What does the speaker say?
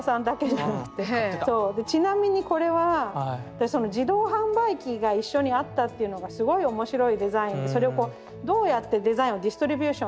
ちなみにこれは私その自動販売機が一緒にあったっていうのがすごい面白いデザインそれをこうどうやってデザインをディストリビューションするかって。